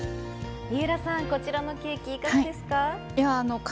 こちらのケーキ、いかがですか。